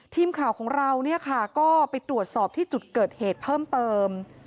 ทีมข่าวของเราเนี่ยค่ะก็ไปตรวจสอบที่จุดเกิดเหตุเพิ่มเติม